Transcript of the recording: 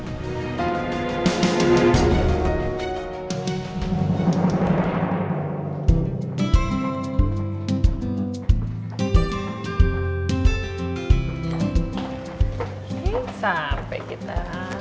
oke sampai kita